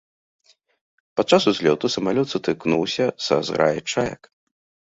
Падчас узлёту самалёт сутыкнуўся са зграяй чаек.